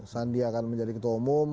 sandi akan menjadi ketua umum